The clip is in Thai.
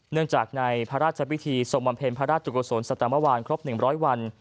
เนื่องจากในพระราชพิธีทรงบำเพ็ญพระราชจุกษลสัตมวานครบ๑๐๐วัน